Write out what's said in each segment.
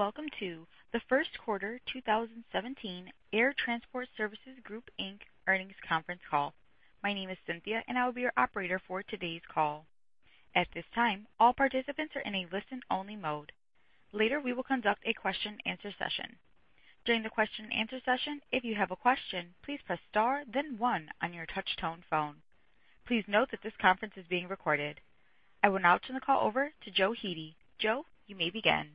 Welcome to the first quarter 2017 Air Transport Services Group Inc. earnings conference call. My name is Cynthia, and I will be your operator for today's call. At this time, all participants are in a listen-only mode. Later, we will conduct a question and answer session. During the question and answer session, if you have a question, please press star then one on your touch-tone phone. Please note that this conference is being recorded. I will now turn the call over to Joe Hete. Joe, you may begin.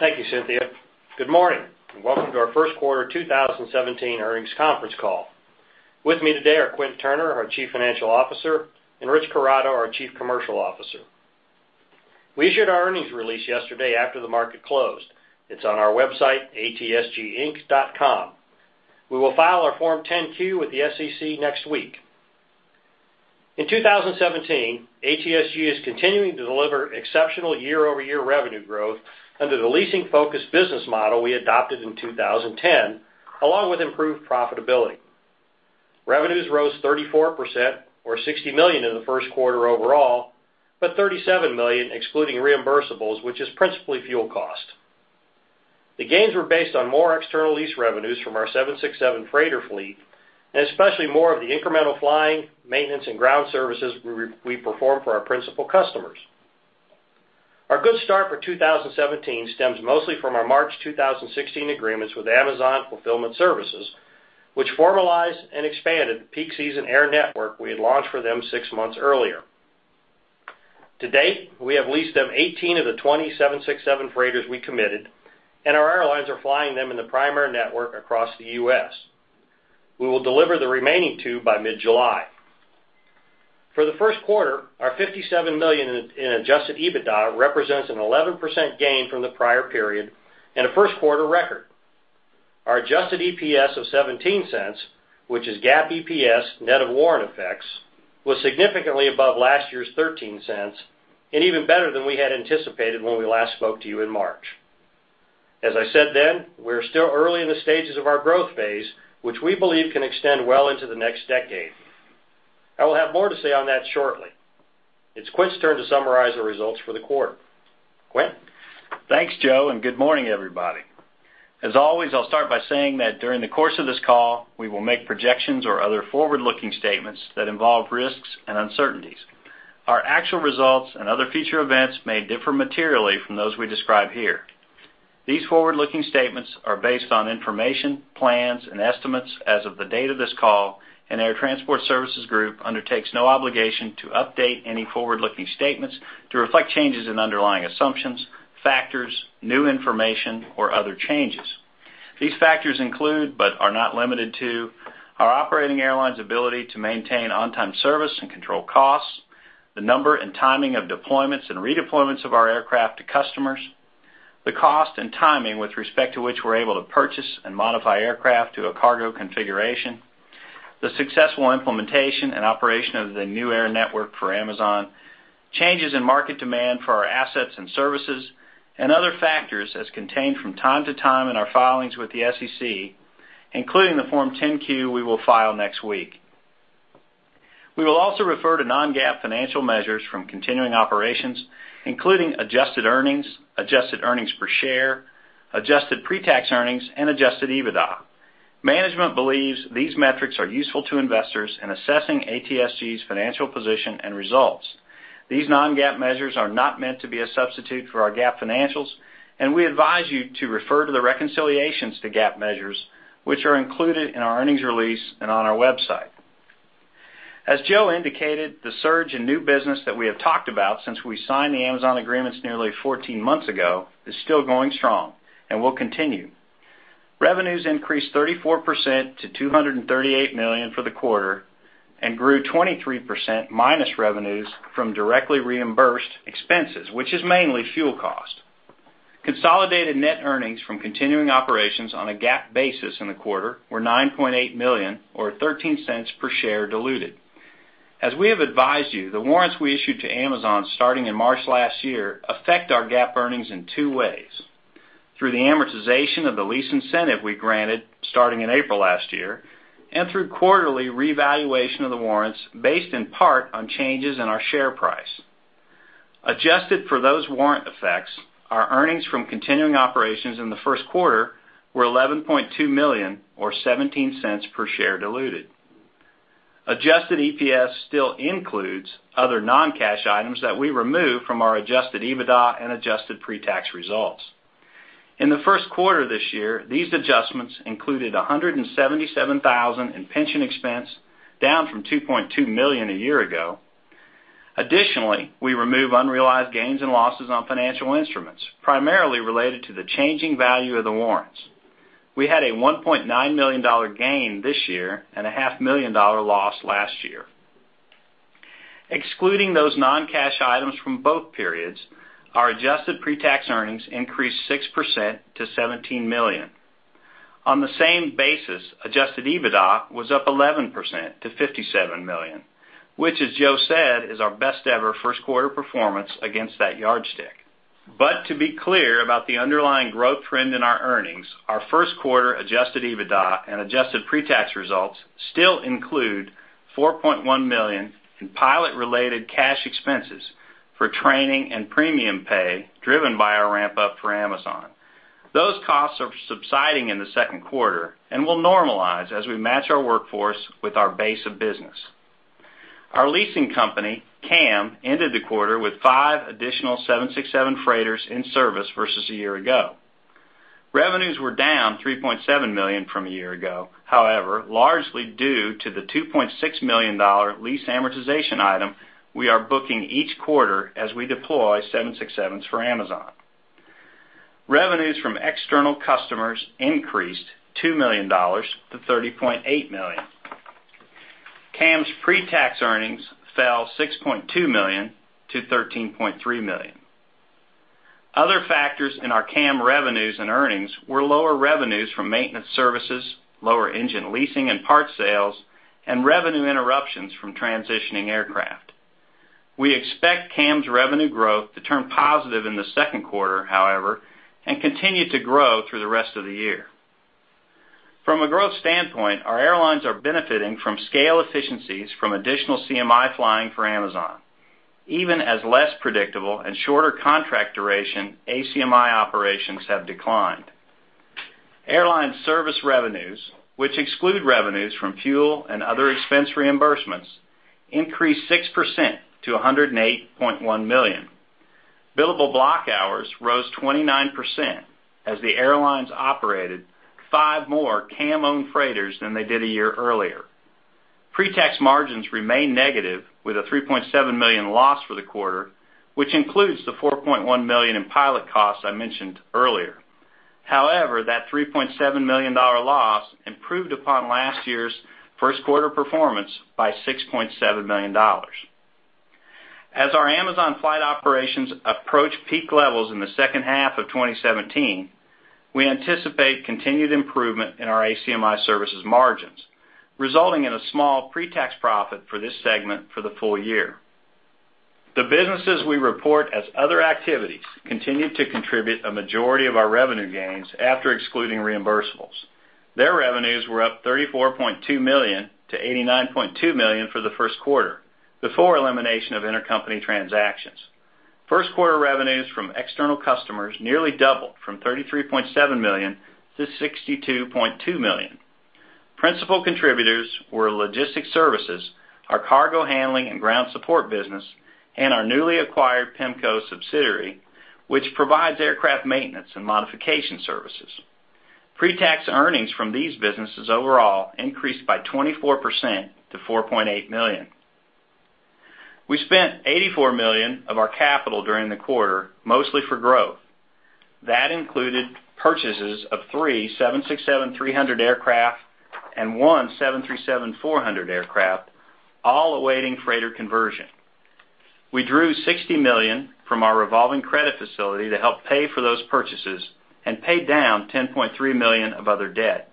Thank you, Cynthia. Good morning, and welcome to our first quarter 2017 earnings conference call. With me today are Quint Turner, our Chief Financial Officer, and Rich Corrado, our Chief Commercial Officer. We issued our earnings release yesterday after the market closed. It's on our website, atsginc.com. We will file our Form 10-Q with the SEC next week. In 2017, ATSG is continuing to deliver exceptional year-over-year revenue growth under the leasing-focused business model we adopted in 2010, along with improved profitability. Revenues rose 34%, or $60 million in the first quarter overall, but $37 million excluding reimbursables, which is principally fuel cost. The gains were based on more external lease revenues from our 767 freighter fleet, and especially more of the incremental flying, maintenance, and ground services we perform for our principal customers. Our good start for 2017 stems mostly from our March 2016 agreements with Amazon Fulfillment Services, which formalized and expanded the peak season air network we had launched for them six months earlier. To date, we have leased them 18 of the 20 767 freighters we committed, and our airlines are flying them in the primary network across the U.S. We will deliver the remaining two by mid-July. For the first quarter, our $57 million in adjusted EBITDA represents an 11% gain from the prior period and a first-quarter record. Our adjusted EPS of $0.17, which is GAAP EPS net of warrant effects, was significantly above last year's $0.13 and even better than we had anticipated when we last spoke to you in March. As I said then, we're still early in the stages of our growth phase, which we believe can extend well into the next decade. I will have more to say on that shortly. It's Quint's turn to summarize the results for the quarter. Quint? Thanks, Joe, good morning, everybody. As always, I'll start by saying that during the course of this call, we will make projections or other forward-looking statements that involve risks and uncertainties. Our actual results and other future events may differ materially from those we describe here. These forward-looking statements are based on information, plans, and estimates as of the date of this call. Air Transport Services Group undertakes no obligation to update any forward-looking statements to reflect changes in underlying assumptions, factors, new information, or other changes. These factors include, but are not limited to, our operating airlines' ability to maintain on-time service and control costs, the number and timing of deployments and redeployments of our aircraft to customers, the cost and timing with respect to which we're able to purchase and modify aircraft to a cargo configuration, the successful implementation and operation of the new air network for Amazon, changes in market demand for our assets and services, other factors as contained from time to time in our filings with the SEC, including the Form 10-Q we will file next week. We will also refer to non-GAAP financial measures from continuing operations, including adjusted earnings, adjusted earnings per share, adjusted pre-tax earnings, and adjusted EBITDA. Management believes these metrics are useful to investors in assessing ATSG's financial position and results. These non-GAAP measures are not meant to be a substitute for our GAAP financials. We advise you to refer to the reconciliations to GAAP measures, which are included in our earnings release and on our website. As Joe indicated, the surge in new business that we have talked about since we signed the Amazon agreements nearly 14 months ago is still going strong and will continue. Revenues increased 34% to $238 million for the quarter, grew 23% minus revenues from directly reimbursed expenses, which is mainly fuel cost. Consolidated net earnings from continuing operations on a GAAP basis in the quarter were $9.8 million or $0.13 per share diluted. As we have advised you, the warrants we issued to Amazon starting in March last year affect our GAAP earnings in two ways: through the amortization of the lease incentive we granted starting in April last year, through quarterly revaluation of the warrants based in part on changes in our share price. Adjusted for those warrant effects, our earnings from continuing operations in the first quarter were $11.2 million or $0.17 per share diluted. Adjusted EPS still includes other non-cash items that we remove from our adjusted EBITDA and adjusted pre-tax results. In the first quarter of this year, these adjustments included $177,000 in pension expense, down from $2.2 million a year ago. Additionally, we remove unrealized gains and losses on financial instruments, primarily related to the changing value of the warrants. We had a $1.9 million gain this year and a half-million dollar loss last year. Excluding those non-cash items from both periods, our adjusted pre-tax earnings increased 6% to $17 million. On the same basis, adjusted EBITDA was up 11% to $57 million, which, as Joe said, is our best-ever first-quarter performance against that yardstick. To be clear about the underlying growth trend in our earnings, our first quarter adjusted EBITDA and adjusted pre-tax results still include $4.1 million in pilot-related cash expenses for training and premium pay, driven by our ramp-up for Amazon. Those costs are subsiding in the second quarter and will normalize as we match our workforce with our base of business. Our leasing company, CAM, ended the quarter with five additional 767 freighters in service versus a year ago. Revenues were down $3.7 million from a year ago, however, largely due to the $2.6 million lease amortization item we are booking each quarter as we deploy 767s for Amazon. Revenues from external customers increased $2 million to $30.8 million. CAM's pre-tax earnings fell $6.2 million to $13.3 million. Other factors in our CAM revenues and earnings were lower revenues from maintenance services, lower engine leasing and parts sales, and revenue interruptions from transitioning aircraft. We expect CAM's revenue growth to turn positive in the second quarter, however, and continue to grow through the rest of the year. From a growth standpoint, our airlines are benefiting from scale efficiencies from additional CMI flying for Amazon, even as less predictable and shorter contract duration ACMI operations have declined. Airline service revenues, which exclude revenues from fuel and other expense reimbursements, increased 6% to $108.1 million. Billable block hours rose 29% as the airlines operated five more CAM-owned freighters than they did a year earlier. Pre-tax margins remain negative with a $3.7 million loss for the quarter, which includes the $4.1 million in pilot costs I mentioned earlier. However, that $3.7 million loss improved upon last year's first quarter performance by $6.7 million. As our Amazon flight operations approach peak levels in the second half of 2017, we anticipate continued improvement in our ACMI services margins, resulting in a small pre-tax profit for this segment for the full year. The businesses we report as other activities continued to contribute a majority of our revenue gains after excluding reimbursables. Their revenues were up $34.2 million to $89.2 million for the first quarter, before elimination of intercompany transactions. First quarter revenues from external customers nearly doubled from $33.7 million to $62.2 million. Principal contributors were logistic services, our cargo handling and ground support business, and our newly acquired PEMCO subsidiary, which provides aircraft maintenance and modification services. Pre-tax earnings from these businesses overall increased by 24% to $4.8 million. We spent $84 million of our capital during the quarter, mostly for growth. That included purchases of three 767-300 aircraft and one 737-400 aircraft, all awaiting freighter conversion. We drew $60 million from our revolving credit facility to help pay for those purchases and pay down $10.3 million of other debt.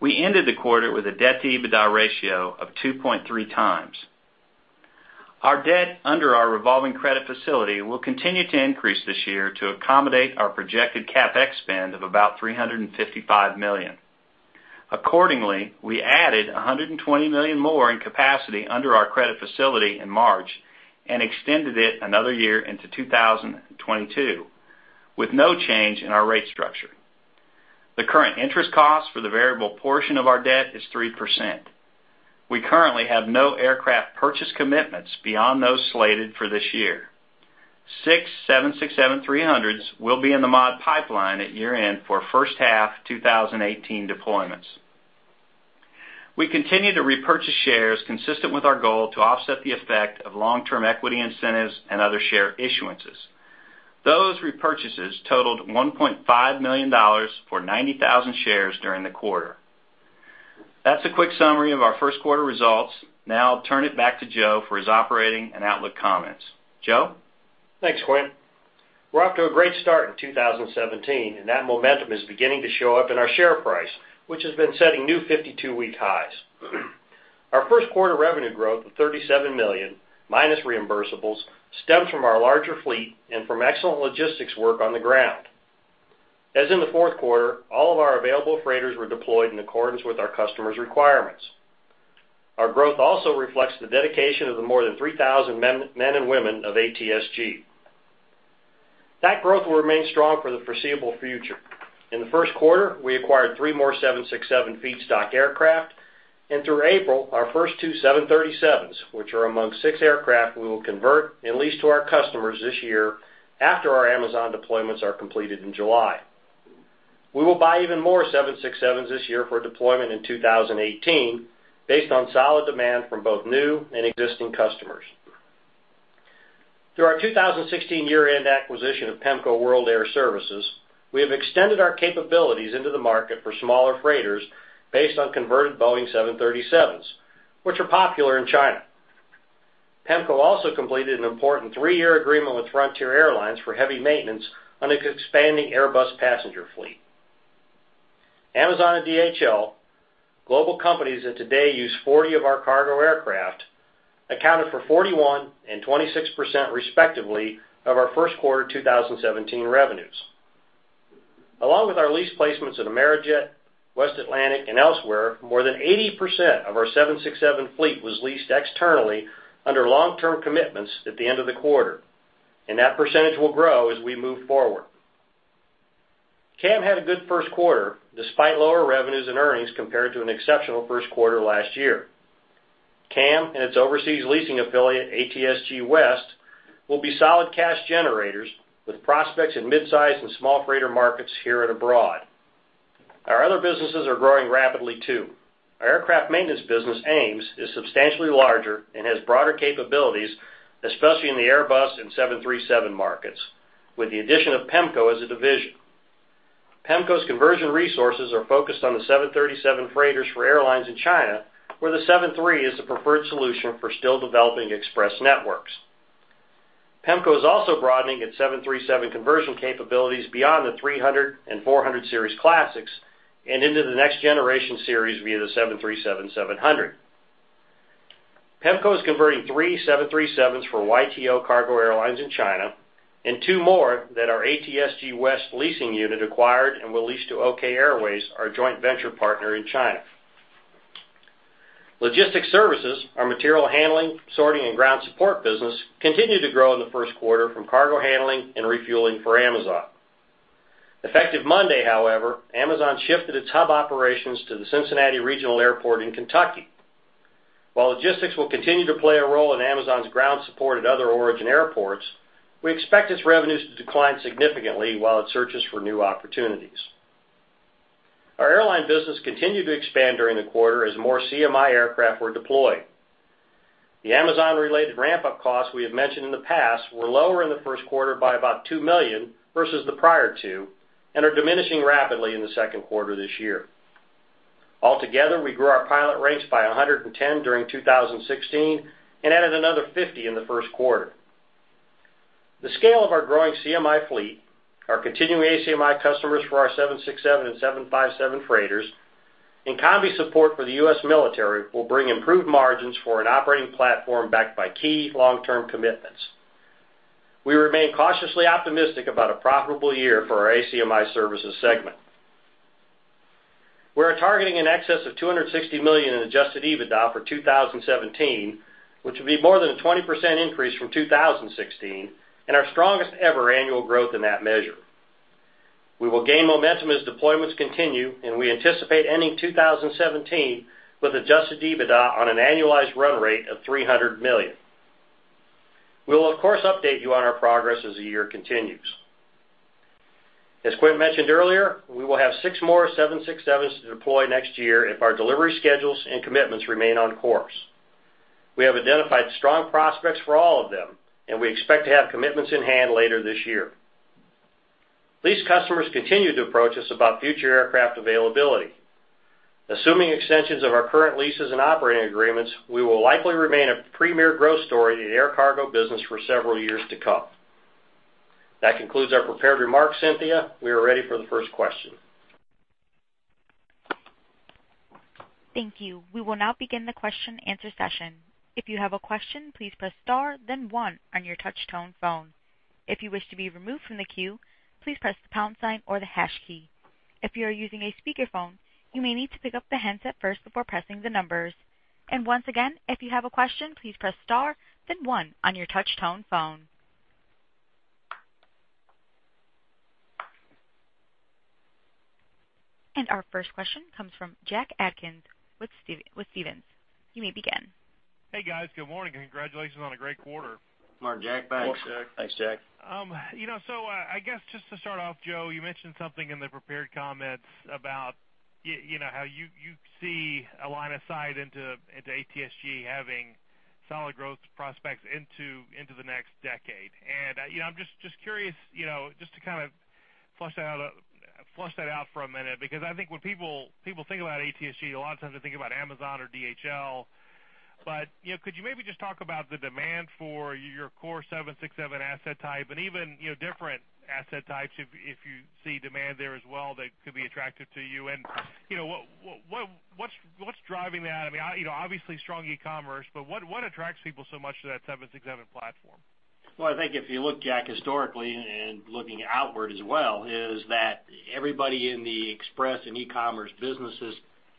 We ended the quarter with a debt-to-EBITDA ratio of 2.3 times. Our debt under our revolving credit facility will continue to increase this year to accommodate our projected CapEx spend of about $355 million. Accordingly, we added $120 million more in capacity under our credit facility in March and extended it another year into 2022 with no change in our rate structure. The current interest cost for the variable portion of our debt is 3%. We currently have no aircraft purchase commitments beyond those slated for this year. Six 767-300s will be in the mod pipeline at year-end for first half 2018 deployments. We continue to repurchase shares consistent with our goal to offset the effect of long-term equity incentives and other share issuances. Those repurchases totaled $1.5 million for 90,000 shares during the quarter. That's a quick summary of our first quarter results. Now I'll turn it back to Joe for his operating and outlook comments. Joe? Thanks, Quint. We're off to a great start in 2017, that momentum is beginning to show up in our share price, which has been setting new 52-week highs. Our first quarter revenue growth of $37 million, minus reimbursables, stems from our larger fleet and from excellent logistics work on the ground. As in the fourth quarter, all of our available freighters were deployed in accordance with our customers' requirements. Our growth also reflects the dedication of the more than 3,000 men and women of ATSG. That growth will remain strong for the foreseeable future. In the first quarter, we acquired three more 767 feedstock aircraft, and through April, our first two 737s, which are among six aircraft we will convert and lease to our customers this year after our Amazon deployments are completed in July. We will buy even more 767s this year for deployment in 2018 based on solid demand from both new and existing customers. Through our 2016 year-end acquisition of PEMCO World Air Services, we have extended our capabilities into the market for smaller freighters based on converted Boeing 737s, which are popular in China. PEMCO also completed an important three-year agreement with Frontier Airlines for heavy maintenance on an expanding Airbus passenger fleet. Amazon and DHL, global companies that today use 40 of our cargo aircraft, accounted for 41% and 26%, respectively, of our first quarter 2017 revenues. Along with our lease placements at Amerijet, West Atlantic, and elsewhere, more than 80% of our 767 fleet was leased externally under long-term commitments at the end of the quarter, that percentage will grow as we move forward. CAM had a good first quarter, despite lower revenues and earnings compared to an exceptional first quarter last year. CAM and its overseas leasing affiliate, ATSG West, will be solid cash generators with prospects in midsize and small freighter markets here and abroad. Our other businesses are growing rapidly, too. Our aircraft maintenance business, AMES, is substantially larger and has broader capabilities, especially in the Airbus and 737 markets, with the addition of PEMCO as a division. PEMCO's conversion resources are focused on the 737 freighters for airlines in China, where the 7-3 is the preferred solution for still developing express networks. PEMCO is also broadening its 737 conversion capabilities beyond the 300 and 400 series classics and into the next generation series via the 737-700. PEMCO is converting 3 737s for YTO Cargo Airlines in China and 2 more that our ATSG West leasing unit acquired and will lease to Okay Airways, our joint venture partner in China. Logistics services, our material handling, sorting, and ground support business, continue to grow in the first quarter from cargo handling and refueling for Amazon. Effective Monday, however, Amazon shifted its hub operations to the Cincinnati Regional Airport in Kentucky. While logistics will continue to play a role in Amazon's ground support at other origin airports, we expect its revenues to decline significantly while it searches for new opportunities. Our airline business continued to expand during the quarter as more CMI aircraft were deployed. The Amazon-related ramp-up costs we have mentioned in the past were lower in the first quarter by about $2 million versus the prior two and are diminishing rapidly in the second quarter this year. Altogether, we grew our pilot ranks by 110 during 2016 and added another 50 in the first quarter. The scale of our growing CMI fleet, our continuing ACMI customers for our 767 and 757 freighters, and combi support for the U.S. military will bring improved margins for an operating platform backed by key long-term commitments. We remain cautiously optimistic about a profitable year for our ACMI services segment. We are targeting in excess of $260 million in adjusted EBITDA for 2017, which would be more than a 20% increase from 2016 and our strongest ever annual growth in that measure. We will gain momentum as deployments continue, and we anticipate ending 2017 with adjusted EBITDA on an annualized run rate of $300 million. We will, of course, update you on our progress as the year continues. As Quint mentioned earlier, we will have 6 more 767s to deploy next year if our delivery schedules and commitments remain on course. We have identified strong prospects for all of them, and we expect to have commitments in hand later this year. Lease customers continue to approach us about future aircraft availability. Assuming extensions of our current leases and operating agreements, we will likely remain a premier growth story in air cargo business for several years to come. That concludes our prepared remarks. Cynthia, we are ready for the first question. Thank you. We will now begin the question and answer session. If you have a question, please press star then 1 on your touch tone phone. If you wish to be removed from the queue, please press the pound sign or the hash key. If you are using a speakerphone, you may need to pick up the handset first before pressing the numbers. Once again, if you have a question, please press star then 1 on your touch tone phone. Our first question comes from Jack Atkins with Stephens. You may begin. Hey, guys. Good morning, and congratulations on a great quarter. Good morning, Jack. Thanks. Morning, Jack. Thanks, Jack. I guess just to start off, Joe, you mentioned something in the prepared comments about how you see a line of sight into ATSG having solid growth prospects into the next decade. I'm just curious, just to kind of flush that out for a minute, because I think when people think about ATSG, a lot of times they think about Amazon or DHL, but could you maybe just talk about the demand for your core 767 asset type and even different asset types, if you see demand there as well that could be attractive to you? What's driving that? I mean, obviously strong e-commerce, but what attracts people so much to that 767 platform? Well, I think if you look, Jack, historically and looking outward as well, is that everybody in the express and e-commerce businesses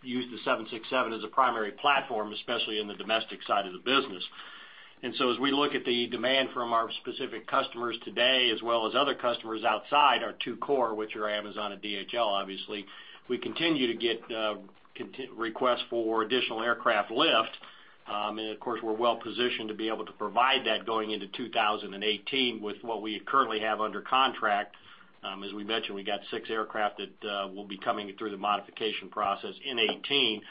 use the 767 as a primary platform, especially in the domestic side of the business. As we look at the demand from our specific customers today, as well as other customers outside our two core, which are Amazon and DHL, obviously, we continue to get requests for additional aircraft lift. Of course, we're well-positioned to be able to provide that going into 2018 with what we currently have under contract. As we mentioned, we got six aircraft that will be coming through the modification process in 2018.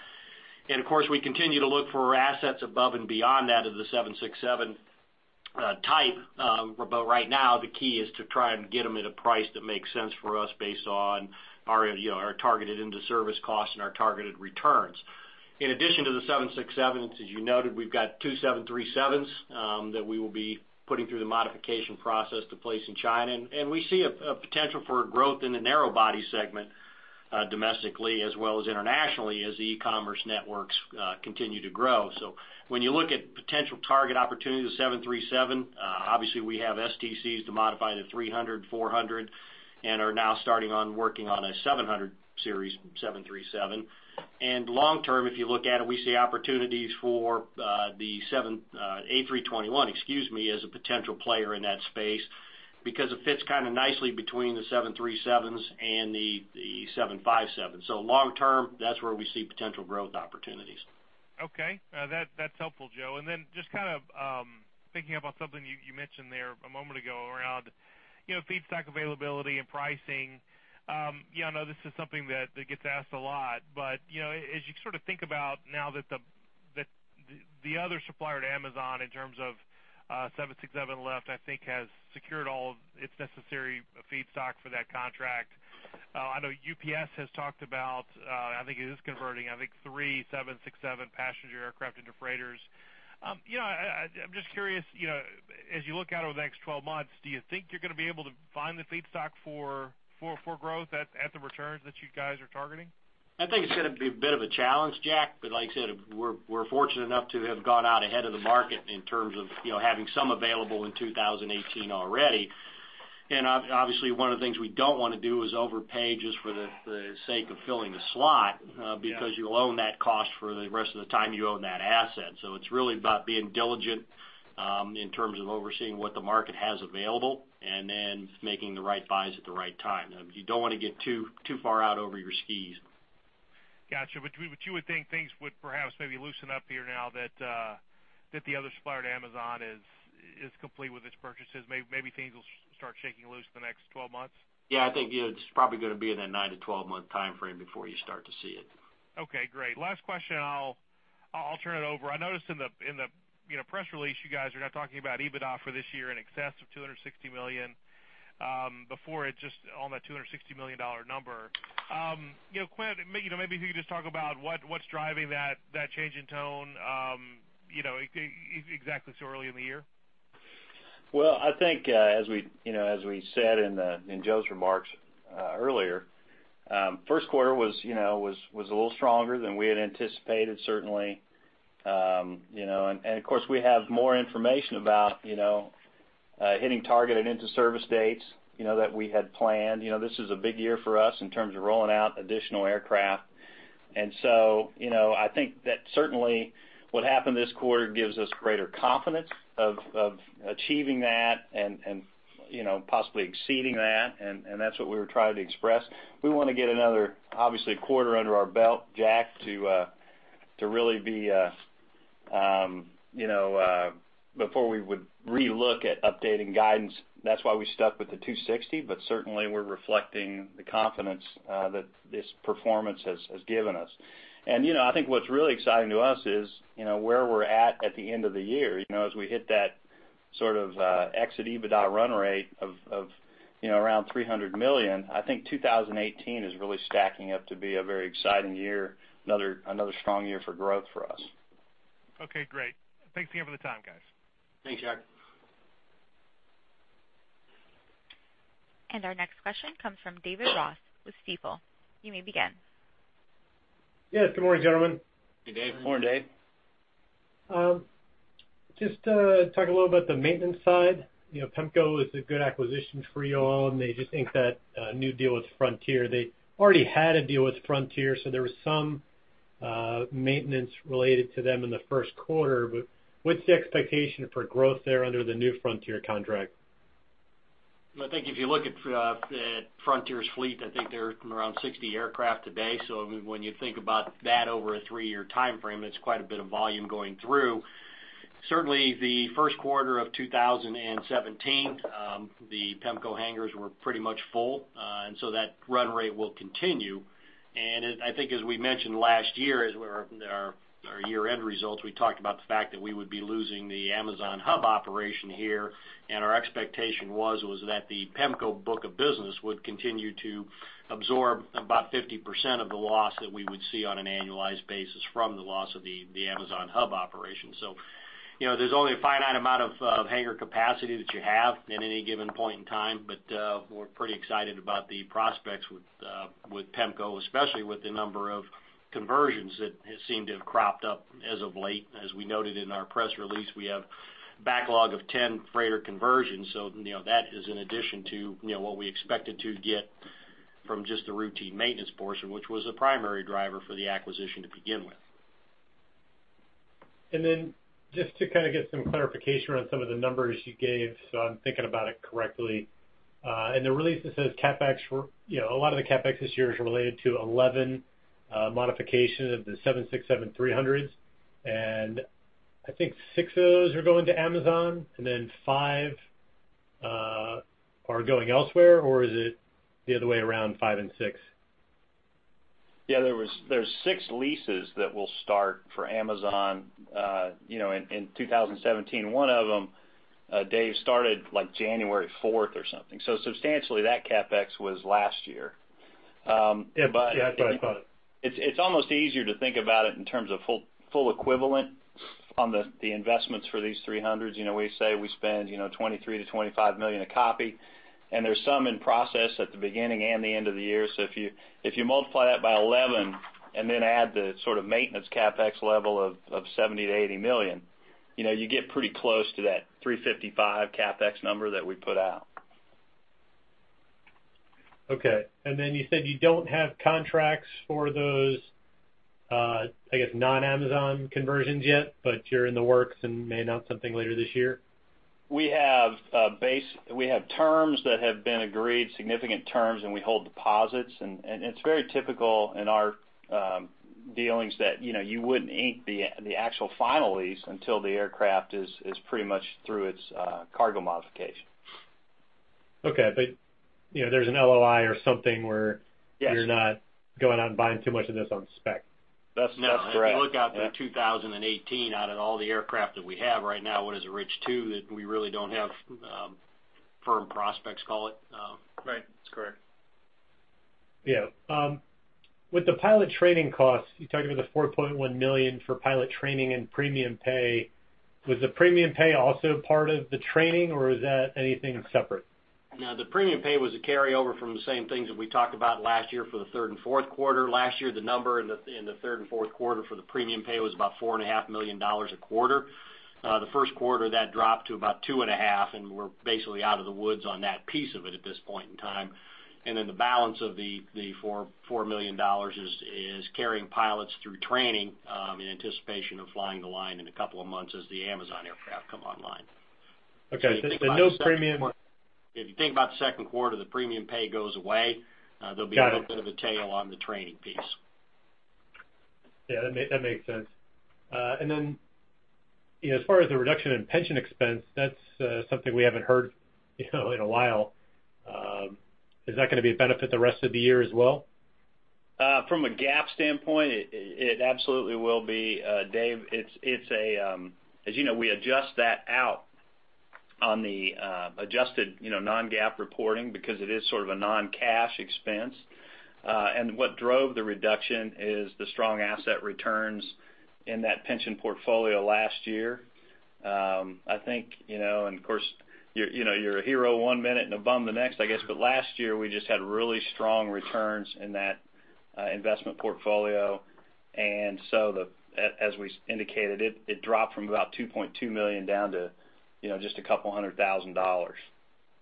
Of course, we continue to look for assets above and beyond that of the 767 type. Right now, the key is to try and get them at a price that makes sense for us based on our targeted into service costs and our targeted returns. In addition to the 767s, as you noted, we've got two 737s that we will be putting through the modification process to place in China, and we see a potential for growth in the narrow body segment Domestically as well as internationally, as the e-commerce networks continue to grow. When you look at potential target opportunities, the 737, obviously we have STCs to modify the 300, 400, and are now starting on working on a 700 series, 737. Long term, if you look at it, we see opportunities for the A321 as a potential player in that space because it fits kind of nicely between the 737s and the 757. Long term, that's where we see potential growth opportunities. Okay. That's helpful, Joe. Then just kind of thinking about something you mentioned there a moment ago around feedstock availability and pricing. I know this is something that gets asked a lot, but as you sort of think about now that the other supplier to Amazon in terms of 767 left, I think has secured all of its necessary feedstock for that contract. I know UPS has talked about, I think it is converting, I think three 767 passenger aircraft into freighters. I'm just curious, as you look out over the next 12 months, do you think you're going to be able to find the feedstock for growth at the returns that you guys are targeting? I think it's going to be a bit of a challenge, Jack. Like I said, we're fortunate enough to have gone out ahead of the market in terms of having some available in 2018 already. Obviously, one of the things we don't want to do is overpay just for the sake of filling a slot, because you'll own that cost for the rest of the time you own that asset. It's really about being diligent, in terms of overseeing what the market has available and then making the right buys at the right time. You don't want to get too far out over your skis. Got you. You would think things would perhaps maybe loosen up here now that the other supplier to Amazon is complete with its purchases. Maybe things will start shaking loose in the next 12 months? Yeah, I think it's probably going to be in that nine to 12-month timeframe before you start to see it. Okay, great. Last question, I'll turn it over. I noticed in the press release, you guys are now talking about EBITDA for this year in excess of $260 million. Before, it just on that $260 million number. Quint, maybe if you could just talk about what's driving that change in tone exactly so early in the year. Well, I think, as we said in Joe's remarks earlier, first quarter was a little stronger than we had anticipated, certainly. Of course, we have more information about hitting target and into service dates that we had planned. This is a big year for us in terms of rolling out additional aircraft. So, I think that certainly what happened this quarter gives us greater confidence of achieving that and possibly exceeding that, and that's what we were trying to express. We want to get another, obviously, quarter under our belt, Jack, before we would re-look at updating guidance. That's why we stuck with the $260, but certainly, we're reflecting the confidence that this performance has given us. I think what's really exciting to us is where we're at the end of the year, as we hit that sort of exit EBITDA run rate of around $300 million. I think 2018 is really stacking up to be a very exciting year, another strong year for growth for us. Okay, great. Thanks again for the time, guys. Thanks, Jack. Our next question comes from David Ross with Stifel. You may begin. Yes. Good morning, gentlemen. Hey, Dave. Good morning, Dave. Just to talk a little about the maintenance side. PEMCO is a good acquisition for you all, they just inked that new deal with Frontier. They already had a deal with Frontier, there was some maintenance related to them in the first quarter, what's the expectation for growth there under the new Frontier contract? I think if you look at Frontier's fleet, I think they're around 60 aircraft today. When you think about that over a three-year timeframe, it's quite a bit of volume going through. Certainly, the first quarter of 2017, the PEMCO hangars were pretty much full. That run rate will continue. I think as we mentioned last year in our year-end results, we talked about the fact that we would be losing the Amazon Hub operation here, and our expectation was that the PEMCO book of business would continue to absorb about 50% of the loss that we would see on an annualized basis from the loss of the Amazon Hub operation. There's only a finite amount of hangar capacity that you have at any given point in time, but we're pretty excited about the prospects with PEMCO, especially with the number of conversions that seem to have cropped up as of late. As we noted in our press release, we have backlog of 10 freighter conversions. That is in addition to what we expected to get from just the routine maintenance portion, which was a primary driver for the acquisition to begin with. To kind of get some clarification around some of the numbers you gave, so I'm thinking about it correctly. In the release, it says a lot of the CapEx this year is related to 11 modification of the 767-300s. I think six of those are going to Amazon, then five are going elsewhere, or is it the other way around, five and six? Yeah, there's six leases that will start for Amazon in 2017. One of them, Dave, started like January 4th or something. Substantially, that CapEx was last year. Yeah, that's what I thought. It's almost easier to think about it in terms of full equivalent on the investments for these 300s. We say we spend, $23 million-$25 million a copy, there's some in process at the beginning and the end of the year. If you multiply that by 11 and add the sort of maintenance CapEx level of $70 million-$80 million, you get pretty close to that $355 CapEx number that we put out. Okay. Then you said you don't have contracts for those, I guess non-Amazon conversions yet, but you're in the works and may announce something later this year? We have terms that have been agreed, significant terms, and we hold deposits, and it's very typical in our dealings that you wouldn't ink the actual final lease until the aircraft is pretty much through its cargo modification. Okay, there's an LOI or something. Yes you're not going out and buying too much of this on spec. That's correct. No. If you look out through 2018, out of all the aircraft that we have right now, what is it, Rich, two, that we really don't have firm prospects, call it? Right. That's correct. Yeah. With the pilot training costs, you talked about the $4.1 million for pilot training and premium pay. Was the premium pay also part of the training, or is that anything separate? The premium pay was a carryover from the same things that we talked about last year for the third and fourth quarter. Last year, the number in the third and fourth quarter for the premium pay was about $4.5 million a quarter. The first quarter, that dropped to about two and a half, we're basically out of the woods on that piece of it at this point in time. The balance of the $4 million is carrying pilots through training in anticipation of flying the line in a couple of months as the Amazon aircraft come online. Okay. No premium- If you think about the second quarter, the premium pay goes away. There'll be- Got it. A little bit of a tail on the training piece. Yeah, that makes sense. Then as far as the reduction in pension expense, that's something we haven't heard in a while. Is that going to be a benefit the rest of the year as well? From a GAAP standpoint, it absolutely will be, Dave. As you know, we adjust that out on the adjusted non-GAAP reporting because it is sort of a non-cash expense. What drove the reduction is the strong asset returns in that pension portfolio last year. Of course, you're a hero one minute and a bum the next, I guess, last year, we just had really strong returns in that investment portfolio. So as we indicated, it dropped from about $2.2 million down to just a couple hundred thousand dollars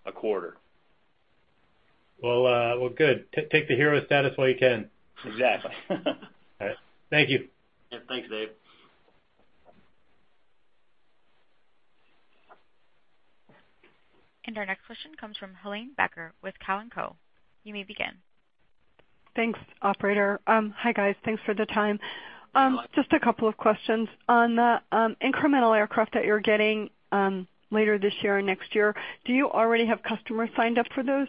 a quarter. Well, good. Take the hero status while you can. Exactly. All right. Thank you. Yeah. Thanks, Dave. Our next question comes from Helane Becker with Cowen Co. You may begin. Thanks, operator. Hi, guys. Thanks for the time. You're welcome. Just a couple of questions. On the incremental aircraft that you're getting later this year and next year, do you already have customers signed up for those?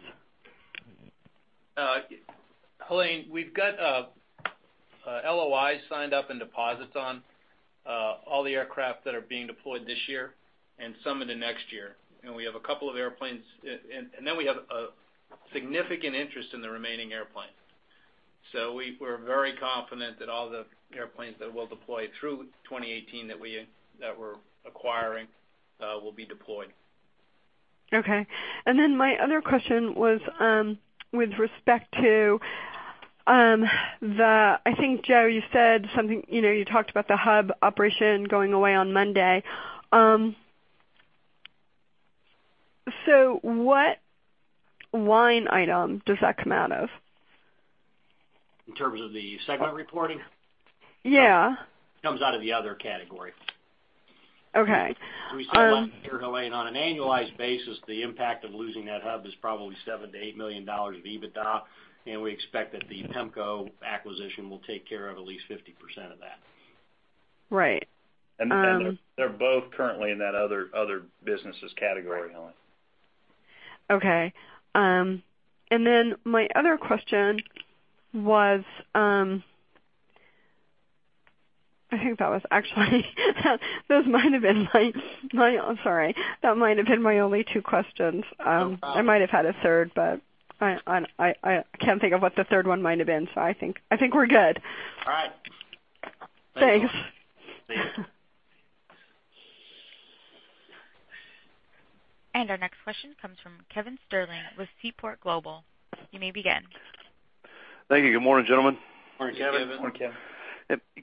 Helane, we've got LOIs signed up. Deposits on all the aircraft that are being deployed this year. Some into next year. We have a couple of airplanes. We have a significant interest in the remaining airplanes. We're very confident that all the airplanes that we'll deploy through 2018 that we're acquiring will be deployed. Okay. My other question was with respect to the, I think, Joe, you talked about the hub operation going away on Monday. What line item does that come out of? In terms of the segment reporting? Yeah. It comes out of the other category. Okay. We still have here, Helane, on an annualized basis, the impact of losing that hub is probably $7 million-$8 million of EBITDA, and we expect that the PEMCO acquisition will take care of at least 50% of that. Right. They're both currently in that other businesses category, Helane. Okay. My other question was, I think that was actually, I'm sorry. That might have been my only two questions. No problem. I might have had a third, but I can't think of what the third one might have been, so I think we're good. All right. Thanks. Thanks. Our next question comes from Kevin Sterling with Seaport Global. You may begin. Thank you. Good morning, gentlemen. Morning, Kevin. Morning, Kevin.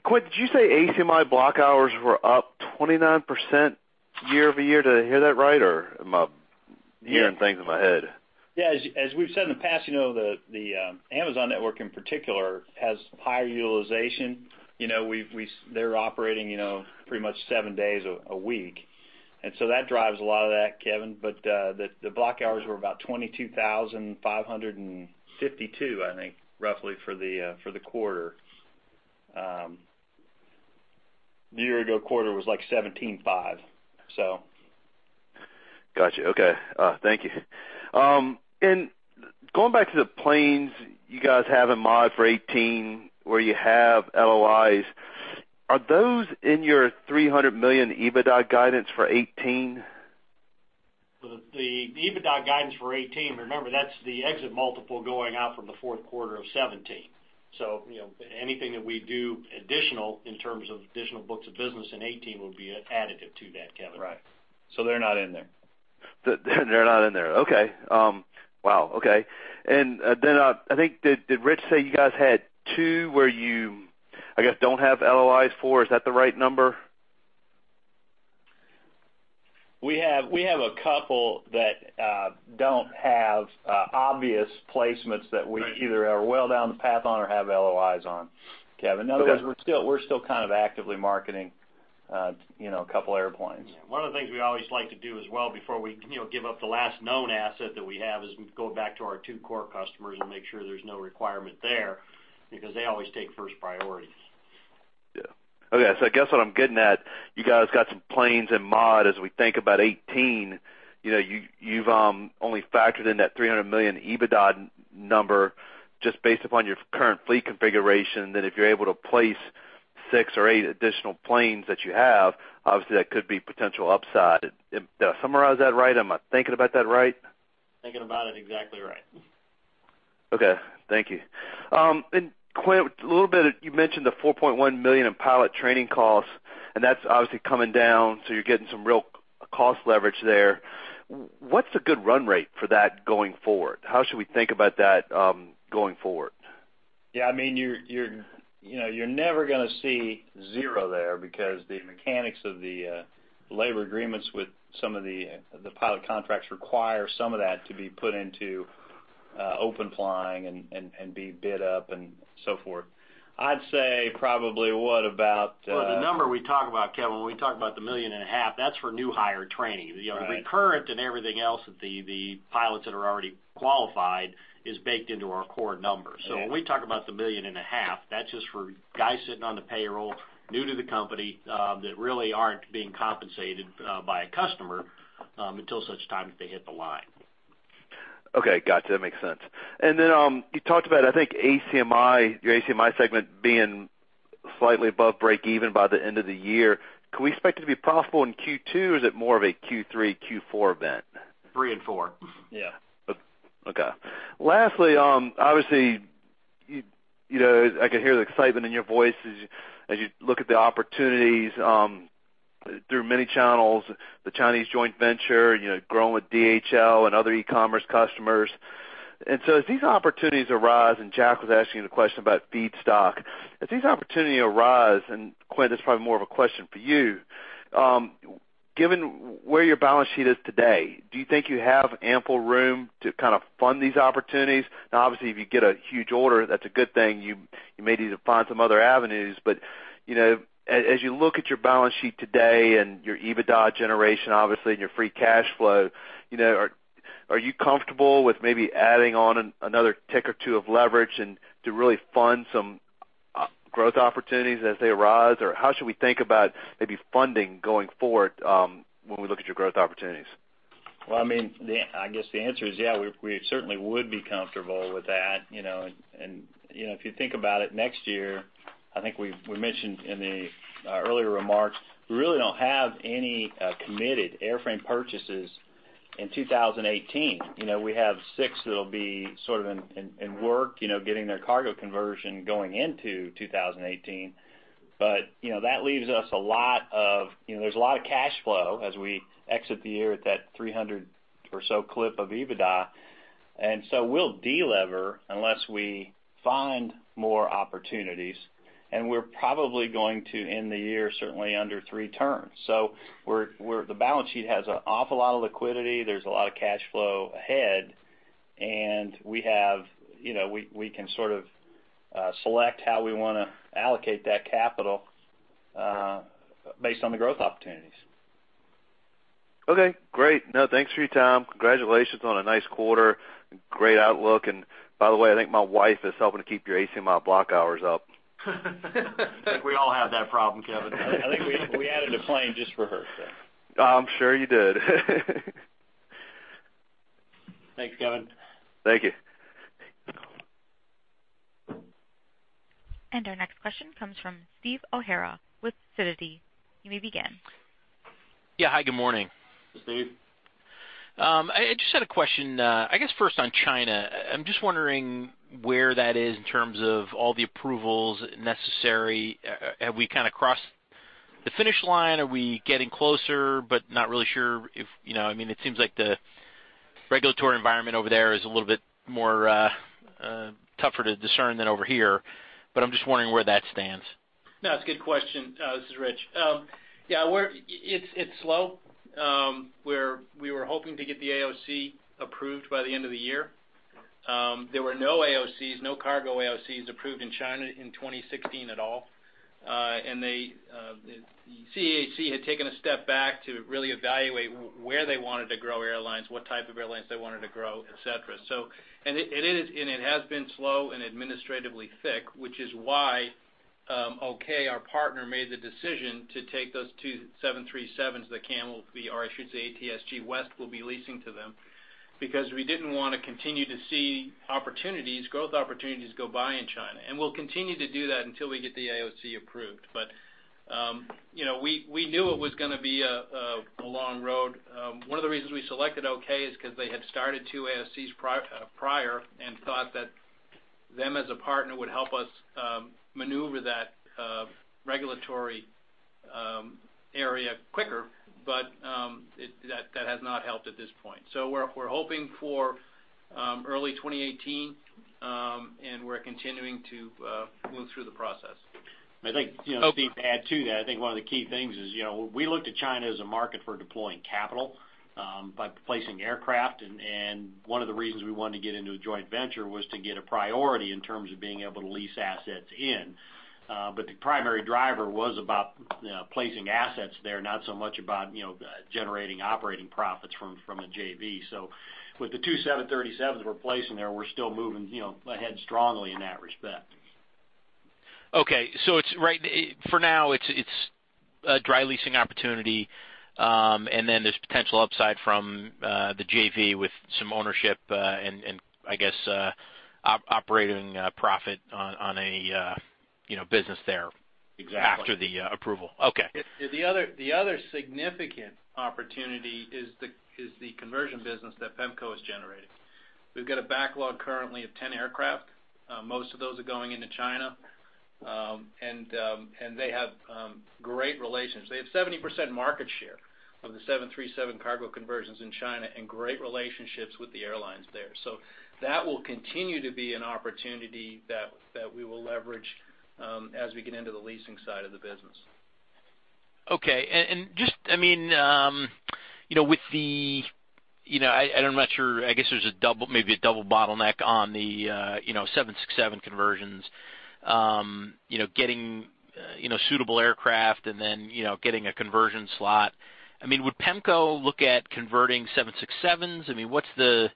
Quick, did you say ACMI block hours were up 29% year-over-year? Did I hear that right, or am I hearing things in my head? Yeah. As we've said in the past, the Amazon network in particular has high utilization. They're operating pretty much seven days a week. That drives a lot of that, Kevin. The block hours were about 22,552, I think, roughly for the quarter. The year-ago quarter was like 17,500. Got you. Okay. Thank you. Going back to the planes you guys have in mod for 2018 where you have LOIs, are those in your $300 million EBITDA guidance for 2018? The EBITDA guidance for 2018, remember, that's the exit multiple going out from the fourth quarter of 2017. Anything that we do additional in terms of additional books of business in 2018 would be additive to that, Kevin. Right. They're not in there. They're not in there. Okay. Wow, okay. Then, I think did Rich say you guys had two where you, I guess, don't have LOIs for? Is that the right number? We have a couple that don't have obvious placements that we either are well down the path on or have LOIs on, Kevin. Okay. In other words, we're still kind of actively marketing a couple airplanes. One of the things we always like to do as well before we give up the last known asset that we have is, we go back to our two core customers and make sure there's no requirement there, because they always take first priority. Yeah. Okay, I guess what I'm getting at, you guys got some planes in mod as we think about 2018. You've only factored in that $300 million EBITDA number just based upon your current fleet configuration. If you're able to place six or eight additional planes that you have, obviously that could be potential upside. Did I summarize that right? Am I thinking about that right? Thinking about it exactly right. Okay. Thank you. Quint, a little bit, you mentioned the $4.1 million in pilot training costs, and that's obviously coming down, so you're getting some real cost leverage there. What's a good run rate for that going forward? How should we think about that going forward? Yeah, you're never going to see zero there because the mechanics of the labor agreements with some of the pilot contracts require some of that to be put into open flying and be bid up and so forth. Well, the number we talk about, Kevin, when we talk about the million and a half, that's for new hire training. Right. The recurrent and everything else that the pilots that are already qualified is baked into our core numbers. Yeah. When we talk about the million and a half, that's just for guys sitting on the payroll, new to the company, that really aren't being compensated by a customer, until such time that they hit the line. Okay. Got you. That makes sense. You talked about, I think your ACMI segment being slightly above break even by the end of the year. Can we expect it to be profitable in Q2, or is it more of a Q3, Q4 event? Three and four. Yeah. Okay. Lastly, obviously, I could hear the excitement in your voice as you look at the opportunities through many channels, the Chinese joint venture, growing with DHL and other e-commerce customers. As these opportunities arise, and Jack was asking the question about feedstock. As these opportunity arise, and Quint, this is probably more of a question for you, given where your balance sheet is today, do you think you have ample room to kind of fund these opportunities? Now, obviously, if you get a huge order, that's a good thing. You may need to find some other avenues. As you look at your balance sheet today and your EBITDA generation, obviously, and your free cash flow, are you comfortable with maybe adding on another tick or two of leverage and to really fund some growth opportunities as they arise? How should we think about maybe funding going forward, when we look at your growth opportunities? Well, I guess the answer is yes, we certainly would be comfortable with that. If you think about it, next year, I think we mentioned in the earlier remarks, we really don't have any committed airframe purchases in 2018. There's a lot of cash flow as we exit the year at that 300 or so clip of EBITDA. We'll de-lever unless we find more opportunities, and we're probably going to end the year certainly under three turns. The balance sheet has an awful lot of liquidity. There's a lot of cash flow ahead, and we can sort of select how we want to allocate that capital based on the growth opportunities. Okay. Great. No, thanks for your time. Congratulations on a nice quarter and great outlook. By the way, I think my wife is helping to keep your ACMI block hours up. I think we all have that problem, Kevin. I think we added a plane just for her. I'm sure you did. Thanks, Kevin. Thank you. Our next question comes from Steve O'Hara with Sidoti. You may begin. Yeah. Hi, good morning. Hey, Steve. I just had a question, I guess first on China. I'm just wondering where that is in terms of all the approvals necessary. Have we kind of crossed the finish line? Are we getting closer, not really sure if it seems like the regulatory environment over there is a little bit more tougher to discern than over here. I'm just wondering where that stands. No, it's a good question. This is Rich. Yeah, it's slow. We were hoping to get the AOC approved by the end of the year. There were no AOCs, no cargo AOCs approved in China in 2016 at all. CAAC had taken a step back to really evaluate where they wanted to grow airlines, what type of airlines they wanted to grow, et cetera. It has been slow and administratively thick, which is why OK, our partner, made the decision to take those two 737s that CAM will be, or I should say ATSG West will be leasing to them because we didn't want to continue to see growth opportunities go by in China. We'll continue to do that until we get the AOC approved. We knew it was going to be a long road. One of the reasons we selected Okay Airways is because they had started two AOCs prior and thought that them as a partner would help us maneuver that regulatory area quicker. That has not helped at this point. We're hoping for early 2018, and we're continuing to move through the process. I think, Steve, to add to that, I think one of the key things is, we looked at China as a market for deploying capital by placing aircraft, and one of the reasons we wanted to get into a joint venture was to get a priority in terms of being able to lease assets in. The primary driver was about placing assets there, not so much about generating operating profits from a JV. With the two 737s we're placing there, we're still moving ahead strongly in that respect. Okay. For now, it's a dry leasing opportunity, and then there's potential upside from the JV with some ownership, and I guess, operating profit on a business there. Exactly after the approval. Okay. The other significant opportunity is the conversion business that PEMCO is generating. We've got a backlog currently of 10 aircraft. Most of those are going into China. They have great relations. They have 70% market share of the 737 cargo conversions in China and great relationships with the airlines there. That will continue to be an opportunity that we will leverage as we get into the leasing side of the business. Okay. I guess there's maybe a double bottleneck on the 767 conversions, getting suitable aircraft and then getting a conversion slot. Would PEMCO look at converting 767s? What's the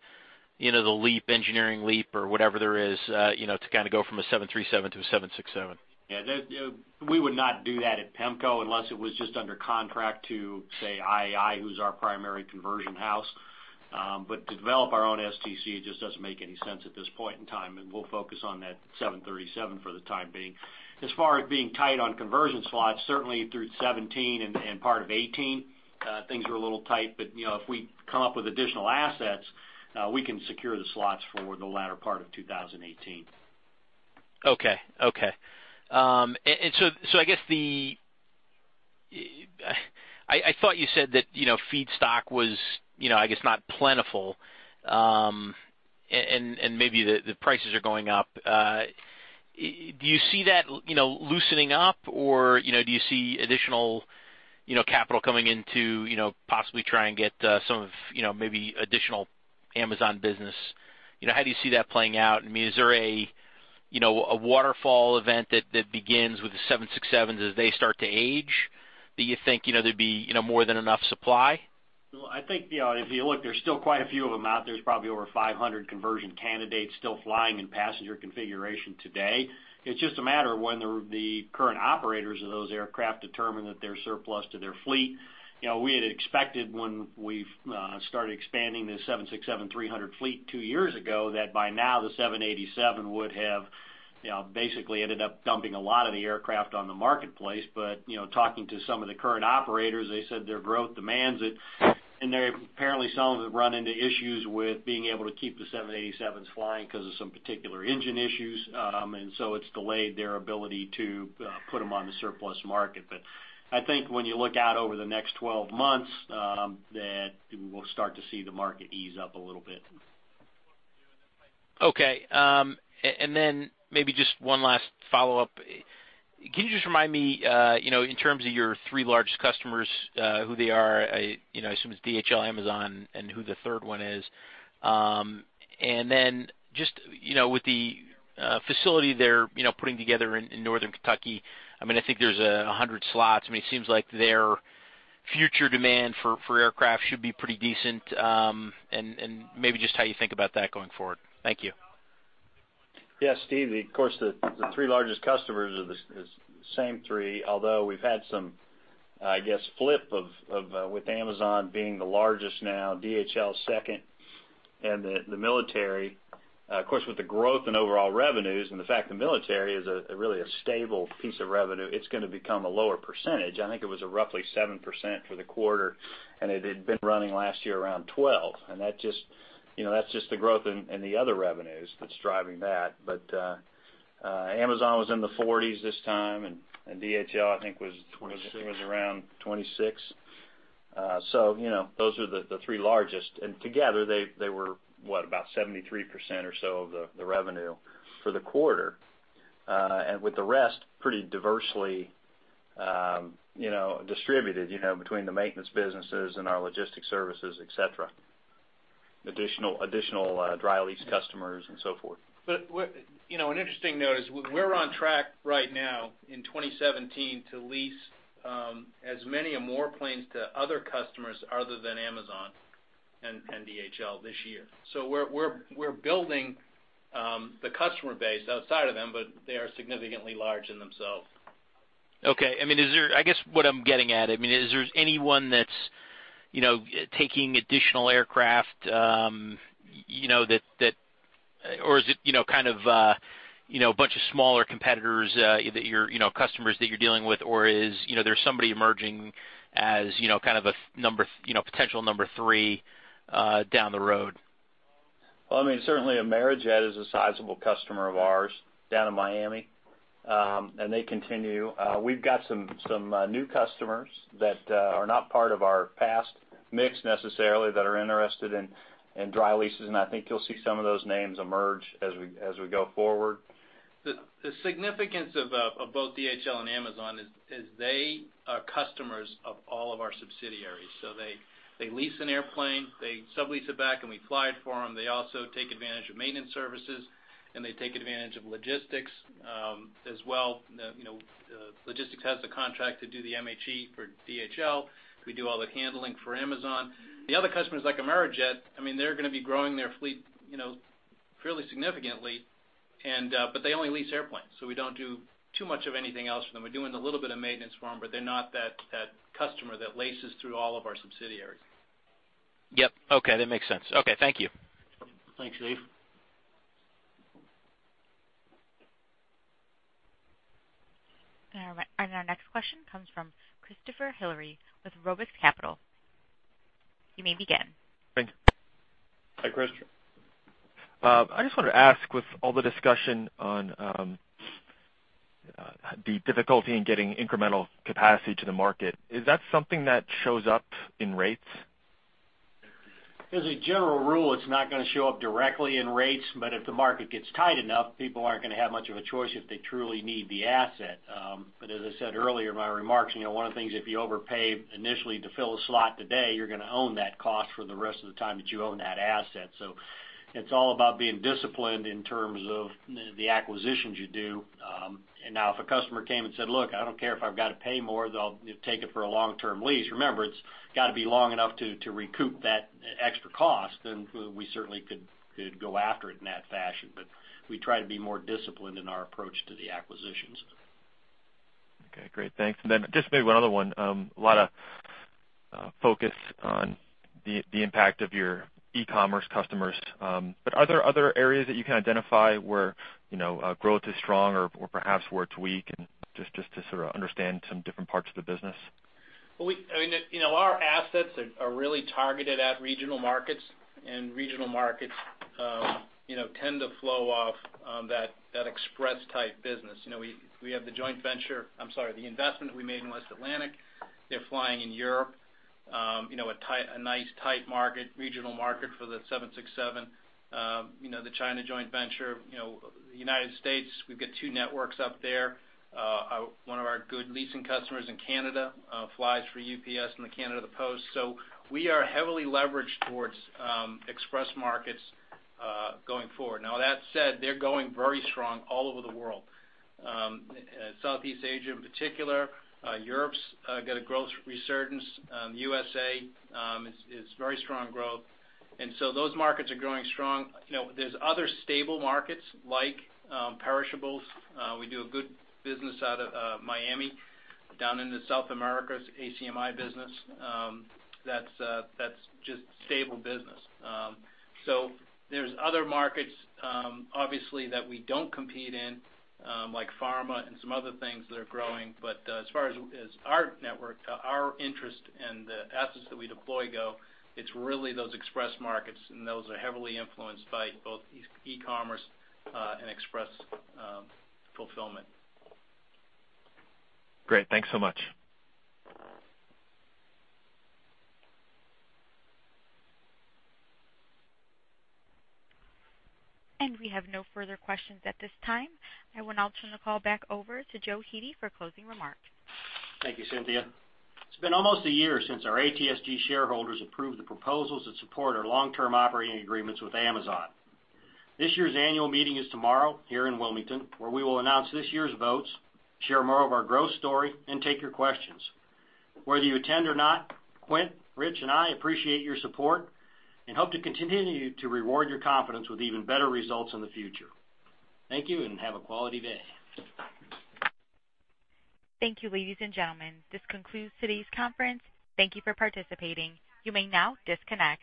engineering leap, or whatever there is, to kind of go from a 737 to a 767? Yeah. We would not do that at PEMCO unless it was just under contract to, say, IAI, who's our primary conversion house. To develop our own STC just doesn't make any sense at this point in time. We'll focus on that 737 for the time being. As far as being tight on conversion slots, certainly through 2017 and part of 2018, things were a little tight. If we come up with additional assets, we can secure the slots for the latter part of 2018. Okay. I guess, I thought you said that feedstock was I guess not plentiful, and maybe the prices are going up. Do you see that loosening up, or do you see additional capital coming in to possibly try and get some of maybe additional Amazon business? How do you see that playing out? Is there a waterfall event that begins with the 767s as they start to age, that you think there'd be more than enough supply? Well, I think, if you look, there's still quite a few of them out there. There's probably over 500 conversion candidates still flying in passenger configuration today. It's just a matter of when the current operators of those aircraft determine that they're surplus to their fleet. We had expected when we started expanding the 767-300 fleet two years ago, that by now, the 787 would have basically ended up dumping a lot of the aircraft on the marketplace. Talking to some of the current operators, they said their growth demands it, and they apparently, some have run into issues with being able to keep the 787s flying because of some particular engine issues. It's delayed their ability to put them on the surplus market. I think when you look out over the next 12 months, that we will start to see the market ease up a little bit. Okay. Maybe just one last follow-up. Can you just remind me, in terms of your three largest customers, who they are? I assume it's DHL, Amazon, and who the third one is. Just, with the facility they're putting together in Northern Kentucky, I think there's 100 slots. It seems like their future demand for aircraft should be pretty decent, and maybe just how you think about that going forward. Thank you. Yeah, Steve, of course, the three largest customers are the same three, although we've had some, I guess, flip with Amazon being the largest now, DHL second, and the military. Of course, with the growth in overall revenues and the fact the military is really a stable piece of revenue, it's going to become a lower percentage. I think it was roughly 7% for the quarter, and it had been running last year around 12. That's just the growth in the other revenues that's driving that. Amazon was in the 40s this time, and DHL, I think was- 26 Those are the three largest, and together, they were, what, about 73% or so of the revenue for the quarter. With the rest pretty diversely distributed between the maintenance businesses and our logistics services, et cetera. Additional dry lease customers and so forth. An interesting note is we're on track right now in 2017 to lease as many or more planes to other customers other than Amazon and DHL this year. We're building the customer base outside of them, but they are significantly large in themselves. Okay. I guess what I'm getting at, is there anyone that's taking additional aircraft, or is it kind of a bunch of smaller competitors, customers that you're dealing with? Or is there somebody emerging as kind of a potential number three down the road? Well, certainly Amerijet is a sizable customer of ours down in Miami, and they continue. We've got some new customers that are not part of our past mix necessarily that are interested in dry leases, and I think you'll see some of those names emerge as we go forward. The significance of both DHL and Amazon is they are customers of all of our subsidiaries. They lease an airplane. They sublease it back, we fly it for them. They also take advantage of maintenance services, they take advantage of logistics, as well. Logistics has the contract to do the MHE for DHL. We do all the handling for Amazon. The other customers like Amerijet, they're going to be growing their fleet fairly significantly, but they only lease airplanes, we don't do too much of anything else for them. We're doing a little bit of maintenance for them, but they're not that customer that laces through all of our subsidiaries. Yep. Okay, that makes sense. Okay, thank you. Thanks, Steve. Our next question comes from Christopher Hillary with Roubaix Capital. You may begin. Thank you. Hi, Chris. I just wanted to ask, with all the discussion on the difficulty in getting incremental capacity to the market, is that something that shows up in rates? As a general rule, it's not going to show up directly in rates, but if the market gets tight enough, people aren't going to have much of a choice if they truly need the asset. As I said earlier in my remarks, one of the things, if you overpay initially to fill a slot today, you're going to own that cost for the rest of the time that you own that asset. It's all about being disciplined in terms of the acquisitions you do. Now, if a customer came and said, "Look, I don't care if I've got to pay more, they'll take it for a long-term lease." Remember, it's got to be long enough to recoup that extra cost, then we certainly could go after it in that fashion, but we try to be more disciplined in our approach to the acquisitions. Okay, great. Thanks. Just maybe one other one. A lot of focus on the impact of your e-commerce customers. Are there other areas that you can identify where growth is strong or perhaps where it's weak and just to sort of understand some different parts of the business? Well, our assets are really targeted at regional markets. Regional markets tend to flow off that express type business. We have the joint venture I'm sorry, the investment that we made in West Atlantic, they're flying in Europe. A nice tight market, regional market for the 767. The China joint venture. United States, we've got two networks up there. One of our good leasing customers in Canada flies for UPS and the Canada Post. We are heavily leveraged towards express markets, going forward. Now, that said, they're going very strong all over the world. Southeast Asia in particular. Europe's got a growth resurgence. USA is very strong growth. Those markets are growing strong. There's other stable markets like perishables. We do a good business out of Miami, down into South America's ACMI business. That's just stable business. There's other markets, obviously, that we don't compete in, like pharma and some other things that are growing. As far as our network, our interest, and the assets that we deploy go, it's really those express markets. Those are heavily influenced by both e-commerce and express fulfillment. Great. Thanks so much. we have no further questions at this time. I will now turn the call back over to Joe Hete for closing remarks. Thank you, Cynthia. It's been almost a year since our ATSG shareholders approved the proposals that support our long-term operating agreements with Amazon. This year's annual meeting is tomorrow here in Wilmington, where we will announce this year's votes, share more of our growth story, and take your questions. Whether you attend or not, Quint, Rich, and I appreciate your support and hope to continue to reward your confidence with even better results in the future. Thank you, and have a quality day. Thank you, ladies and gentlemen. This concludes today's conference. Thank you for participating. You may now disconnect.